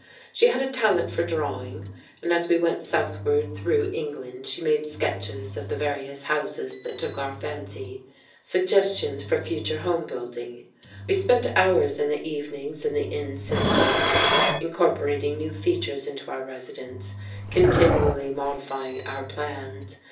She had a talent for drawing, and as we went southward through England she made sketches of the various houses that took our fancy suggestions for future home building; we spent hours in the evenings in the inn sitting rooms incorporating new features into our residence, continually modifying our plans.